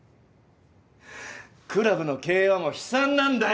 クラブの経営はもう悲惨なんだよ。